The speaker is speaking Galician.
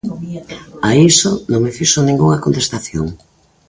A iso non me fixo ningunha contestación.